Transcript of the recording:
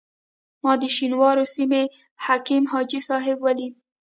ما د شینوارو سیمې حکیم حاجي صاحب ولیدی.